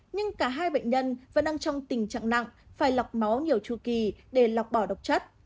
nhưng cả hai bệnh nhân vẫn đang trong tình trạng nặng phải lọc máu nhiều chu kỳ để lọc bỏ độc chất